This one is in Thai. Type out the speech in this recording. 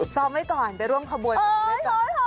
ซ้อมไว้ก่อนไปร่วมขบวยก่อน